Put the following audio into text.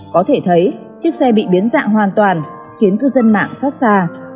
có thể thấy chiếc xe bị biến dạng hoàn toàn khiến cư dân mạng xót xa